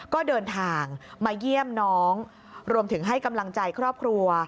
ก็เดินทางมาเยี่ยมน้องรวมถึงให้กำลังใจครอบครัว